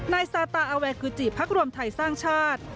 นายซาตาอาแวคูจิพักรวมไทยสร้างชาติ